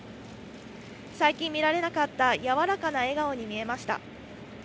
最近、見られなかった、やわらかな笑顔に見えました。